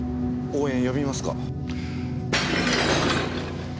応援呼びますか？